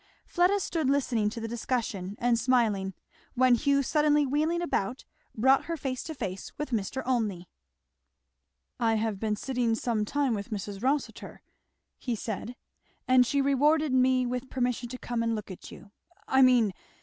Fleda stood listening to the discussion and smiling, when Hugh suddenly wheeling about brought her face to face with Mr. Olmney. "I have been sitting some time with Mrs. Rossitur," he said, "and she rewarded me with permission to come and look at you. I mean!